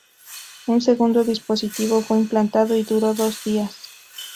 Un segundo dispositivo fue implantado y duró dos días.